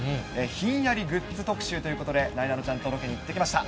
ひんやりグッズ特集ということで、なえなのちゃんとロケに行ってきました。